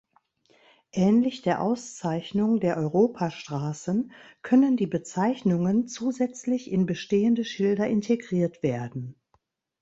Ähnlich der Auszeichnung der Europastraßen können die Bezeichnungen zusätzlich in bestehende Schilder integriert werden.